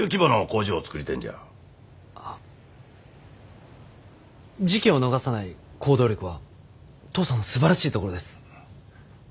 あ時機を逃さない行動力は父さんのすばらしいところです。